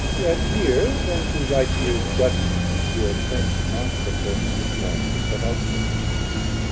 Yet years, and to ripe years judgment mature, Quench not the thirst of glory, but augment.